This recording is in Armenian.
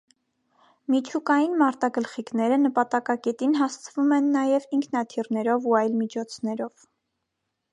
Միջուկային մարտագլխիկները նպատակակետին հասցվում են նաև ինքնաթիռներով ու այլ միջոցներով։